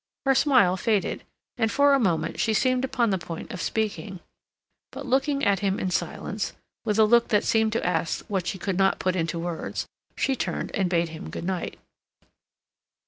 Her smile faded, and for a moment she seemed upon the point of speaking, but looking at him in silence, with a look that seemed to ask what she could not put into words, she turned and bade him good night.